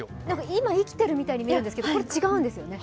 今生きてるみたいに見えるんですけど、違うんですよね。